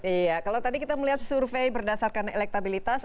iya kalau tadi kita melihat survei berdasarkan elektabilitas